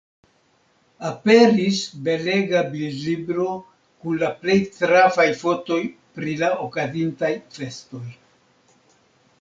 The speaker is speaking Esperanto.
Aperis belega bildlibro kun la plej trafaj fotoj pri la okazintaj festoj.